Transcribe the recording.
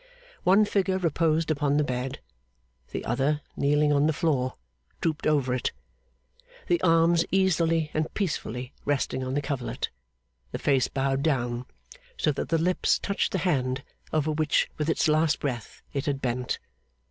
One figure reposed upon the bed. The other, kneeling on the floor, drooped over it; the arms easily and peacefully resting on the coverlet; the face bowed down, so that the lips touched the hand over which with its last breath it had bent.